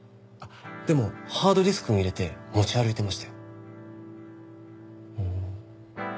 でもハードディスクに入れて持ち歩いてましたよ。